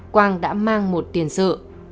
quang đã mang một tiền sợ